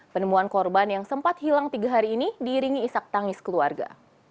penemuan korban yang sempat hilang tiga hari ini diiringi isak tangis keluarga